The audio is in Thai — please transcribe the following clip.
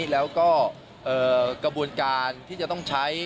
แล้วก็กระบวนการที่จะต้องใช้